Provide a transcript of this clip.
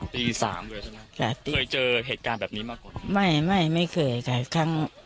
ตีสามเลยใช่ไหมจ้ะเคยเจอเหตุการณ์แบบนี้มาก่อนไม่ไม่ไม่เคยค่ะครั้ง